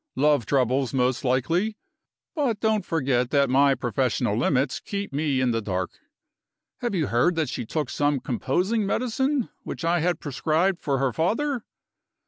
Love troubles, most likely but don't forget that my professional limits keep me in the dark! Have you heard that she took some composing medicine, which I had prescribed for her father?